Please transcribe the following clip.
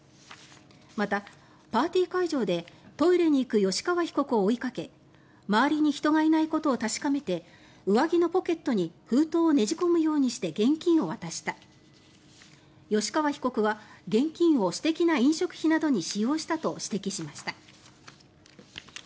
また、パーティー会場でトイレに行く吉川被告を追いかけ周りに人がいないことを確かめて上着のポケットに封筒をねじ込むようにして現金を渡した吉川被告は現金を私的な飲食費などに使用したと指摘しました。